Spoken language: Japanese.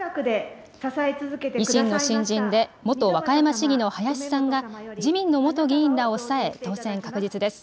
維新の新人で元和歌山市議の林さんが自民の元議員らを抑え当選確実です。